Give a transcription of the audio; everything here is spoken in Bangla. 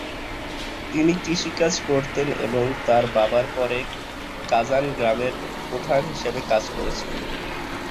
তিনি কৃষিকাজ করতেন এবং তার বাবার পরে কাজান গ্রামের প্রধান হিসাবে কাজ করেছিলেন।